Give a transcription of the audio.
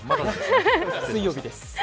水曜日です。